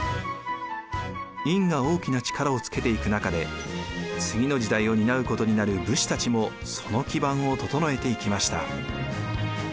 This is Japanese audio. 院が大きな力をつけていく中で次の時代を担うことになる武士たちもその基盤を整えていきました。